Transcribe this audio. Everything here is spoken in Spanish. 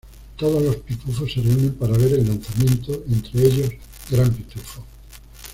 Todos los pitufos se reúnen para ver el lanzamiento, entre ellos Gran Pitufo.